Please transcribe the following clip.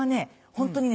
ホントにね